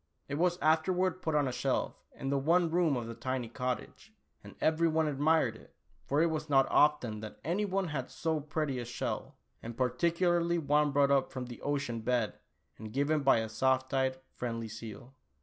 It was afterward put on a shelf in the one room of the tiny cottage, and every one admired it, for it was not often that any one had so pretty a shell, and particularly one brought up from the ocean bed and given by a soft eyed, friendly seal.